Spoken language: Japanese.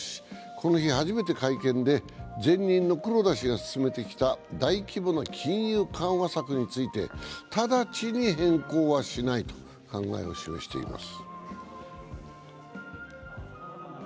この日、初めて会見で前任の黒田氏が進めてきた大規模な金融緩和策について直ちに変更はしないと考えを示しています。